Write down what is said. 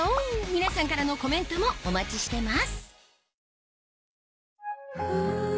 皆さんからのコメントもお待ちしてます・